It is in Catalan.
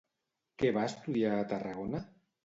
Què va estudiar a Tarragona?